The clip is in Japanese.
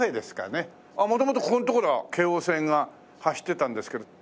元々ここの所は京王線が走ってたんですけど。